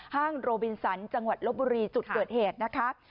ห้างโรบินสันจังหวัดลบบุรีจุดเกิดเหตุนะคะ